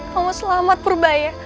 kamu selamat purbaya